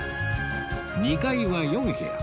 ２階は４部屋